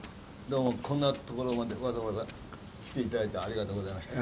どうもこんな所までわざわざ来ていただいてありがとうございました。